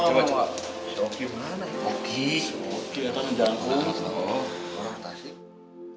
oki dateng di jalanku